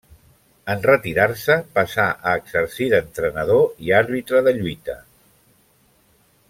En retirar-se passà a exercir d'entrenador i àrbitre de lluita.